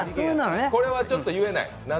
これはちょっと言えない？